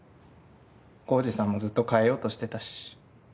晃司さんもずっと変えようとしてたし。